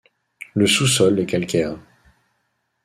Le sous-sol est calcaire.